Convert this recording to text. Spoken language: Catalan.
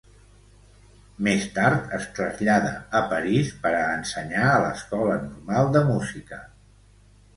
Més tard es trasllada a París per a ensenyar a l'Escola Normal de Música.